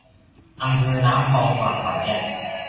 อำเภอน้ำพอง จังหวัดขอนแก่น